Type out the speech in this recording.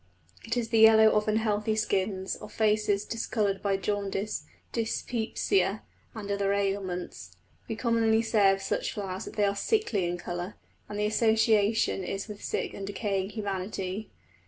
It is the yellow of unhealthy skins, of faces discoloured by jaundice, dyspepsia, and other ailments. We commonly say of such flowers that they are "sickly" in colour, and the association is with sick and decaying humanity.